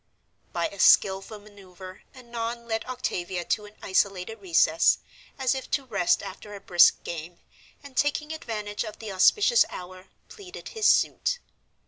By a skillful maneuver Annon led Octavia to an isolated recess, as if to rest after a brisk game, and, taking advantage of the auspicious hour, pleaded his suit.